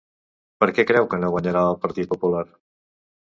Per què creu que no guanyarà el Partit Popular?